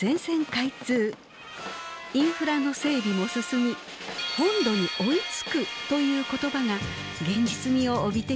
インフラの整備も進み“本土に追いつく”という言葉が現実味を帯びてきました。